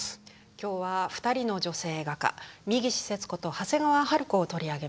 今日は２人の女性画家三岸節子と長谷川春子を取り上げます。